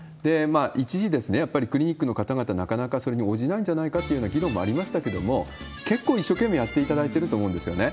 一時、やっぱりクリニックの方々、なかなかそれに応じないんじゃないかというような議論もありましたけれども、結構一生懸命やっていただいてると思うんですよね。